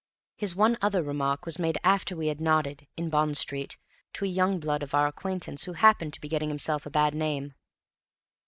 His one other remark was made after we had nodded (in Bond Street) to a young blood of our acquaintance who happened to be getting himself a bad name.